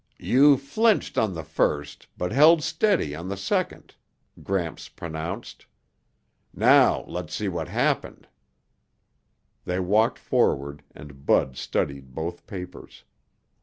"You flinched on the first but held steady on the second," Gramps pronounced. "Now let's see what happened." They walked forward and Bud studied both papers.